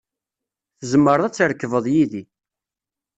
Tzemreḍ ad trekbeḍ yid-i.